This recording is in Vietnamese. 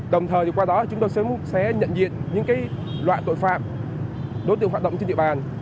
đồng thời qua đó chúng tôi sẽ nhận diện những loại tội phạm đối tượng hoạt động trên địa bàn